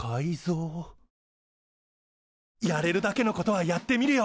やれるだけのことはやってみるよ！